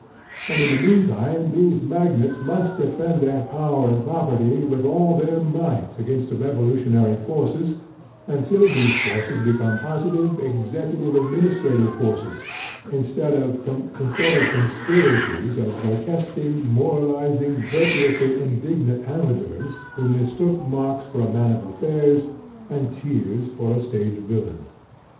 And in the meantime these magnates must defend their power and property with all their might against the revolutionary forces until these forces become positive, executive, administrative forces, instead of the conspiracies of protesting, moralizing, virtuously indignant amateurs who mistook Marx for a man of affairs and Thiers for a stage villain.